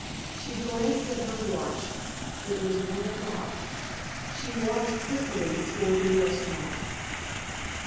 She glanced at her watch. It was one o'clock. She walked quickly toward the restaurant.